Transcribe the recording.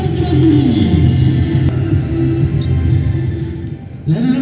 มีคุณต้องรักษาการมี